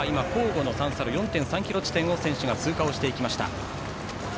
４．３ｋｍ地点を選手が通過していきました。